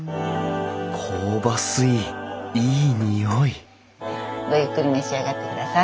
香ばしいいい匂いごゆっくり召し上がってください。